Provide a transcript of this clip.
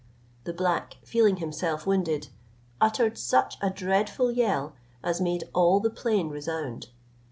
The black, feeling himself wounded, uttered such a dreadful yell as made all the plain resound.